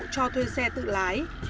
cho thuê xe tự lái